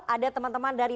ada teman teman dari